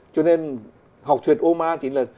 cho nên học truyền obama chính là